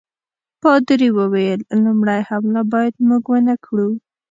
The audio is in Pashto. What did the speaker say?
پادري وویل لومړی حمله باید موږ ونه کړو.